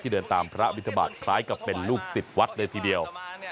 เดินตามพระบินทบาทคล้ายกับเป็นลูกศิษย์วัดเลยทีเดียว